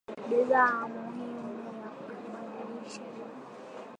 bidhaa muhimu na kubadilisha njia usafarishaji bidhaa Tanzania